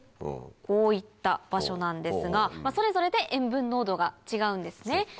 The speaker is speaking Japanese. こういった場所なんですがそれぞれで塩分濃度が違うんですね。